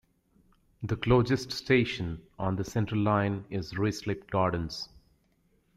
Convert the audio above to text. The closest station on the Central line is Ruislip Gardens.